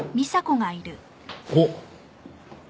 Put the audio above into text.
おっ。